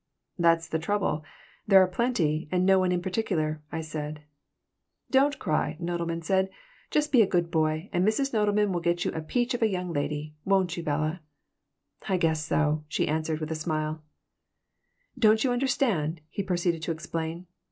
"That's the trouble. There are plenty, and no one in particular," I said "Don't cry," Nodelman said. "Just be a good boy and Mrs. Nodelman will get you a peach of a young lady. Won't you, Bella?" "I guess so," she answered, with a smile "Don't you understand?" he proceeded to explain.